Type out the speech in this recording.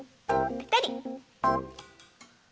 ぺたり。